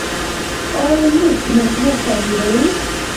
آیا موږ موټر تولیدوو؟